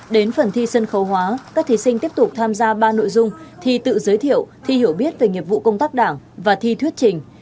đến phần thi sân khấu hóa các thí sinh tiếp tục tham gia ba nội dung thi tự giới thiệu thi hiểu biết về nghiệp vụ công tác đảng và thi thuyết trình